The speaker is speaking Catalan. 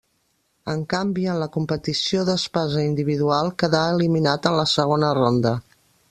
En canvi en la competició d'espasa individual quedà eliminat en la segona ronda.